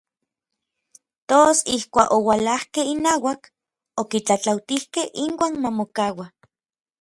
Tos ijkuak oualajkej inauak, okitlatlautijkej inuan ma mokaua.